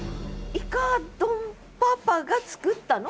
イカドンパパが作ったの？